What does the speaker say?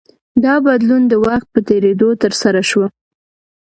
دا بدلون د وخت په تېرېدو ترسره شو.